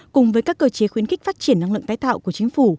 cùng với các cơ chế khuyến khích phát triển năng lượng tái tạo của chính phủ